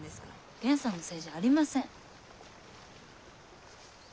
ゲンさんのせいじゃありません。